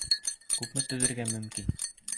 Күпме түҙергә мөмкин.